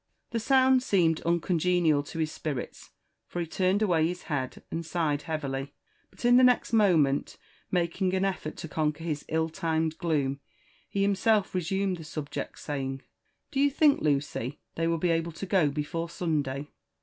The sound seemed uncongenial to his spirits, for he turned away his head and sighed heavily ; but in the next moment, making an efTartto conquer his ill timed gloom, he himself resumed the subject, saying, Do you think, Lucy, they will be able to go before Sunday